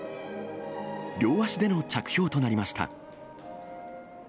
両足での着氷となりました。